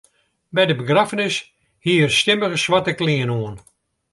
By de begraffenis hie er stimmige swarte klean oan.